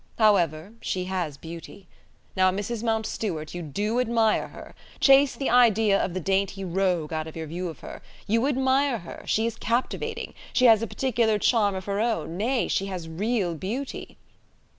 However, she has beauty. Now, Mrs Mountstuart, you do admire her. Chase the idea of the 'dainty rogue' out of your view of her: you admire her: she is captivating; she has a particular charm of her own, nay, she has real beauty."